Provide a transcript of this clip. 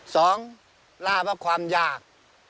สองล่าเพราะความยาก